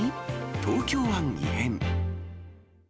東京湾異変。